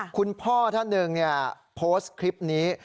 คุณพ่อท่านหนึ่งโพสต์คลิปนี้